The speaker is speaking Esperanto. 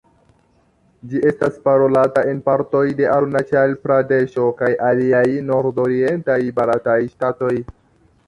Ĝi estas parolata en partoj de Arunaĉal-Pradeŝo kaj aliaj nordorientaj barataj ŝtatoj.